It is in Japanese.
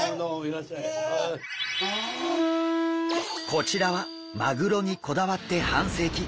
こちらはマグロにこだわって半世紀。